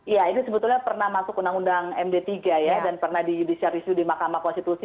ya ini sebetulnya pernah masuk undang undang md tiga ya dan pernah di judicial review di mahkamah konstitusi